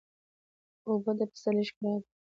اوبه د پسرلي ښکلا ده.